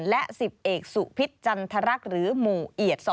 และ๑๐เอกสุพิษจันทรรักษ์หรือหมู่เอียด๒